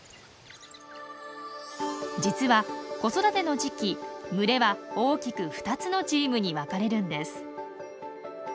実は子育ての時期群れは大きく２つのチームに分かれるんです。